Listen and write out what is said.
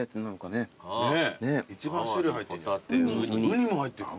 ねっ一番種類入ってる。